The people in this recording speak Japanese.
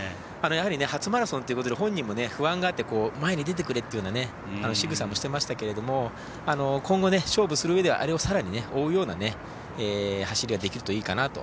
初マラソンということで本人も不安があって前に出てくれというしぐさをする場面がありましたが今後、勝負するうえであれをさらに追うような走りができるといいかなと。